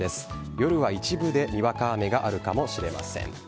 夜は一部でにわか雨があるかもしれません。